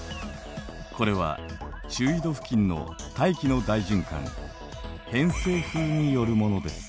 これは中緯度付近の大気の大循環偏西風によるものです。